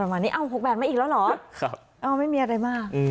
ประมาณนี้เอ้า๖๘มาอีกแล้วเหรอไม่มีอะไรมาก